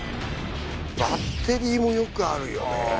バッテリーもよくあるよね。